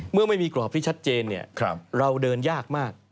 เมื่อไม่มีกรอบที่ชัดเจนเราเดินยากมาก